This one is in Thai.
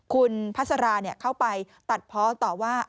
คุณพัศราเนี่ยเข้าไปตัดพ้อต่อว่า